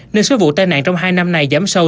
nên số vụ tai nạn trong hai năm nay giảm sâu